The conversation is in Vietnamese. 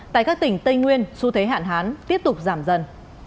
tại các tỉnh tây nguyên xu thế hạn hán tiếp tục giảm dần